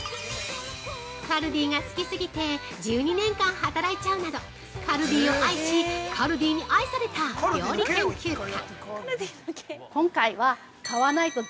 カルディが好きすぎて１２年間、働いちゃうなどカルディを愛しカルディに愛された料理研究家。